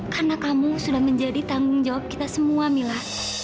karena kamu sudah menjadi tanggung jawab kita semua mila